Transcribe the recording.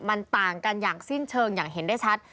มันต่างกันอย่างสิ้นเชิงอย่างเห็นได้ชัด